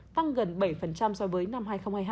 tăng gần bảy so với năm hai nghìn hai mươi hai